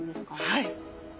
「はい」？